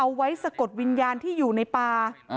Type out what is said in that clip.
สะกดวิญญาณที่อยู่ในป่า